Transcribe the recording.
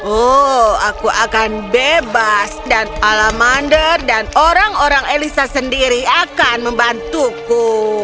oh aku akan bebas dan alamander dan orang orang elisa sendiri akan membantuku